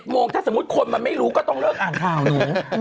โมงถ้าสมมุติคนมันไม่รู้ก็ต้องเลิกอ่านข่าวหนู